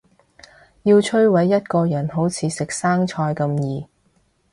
要摧毁一個人好似食生菜咁易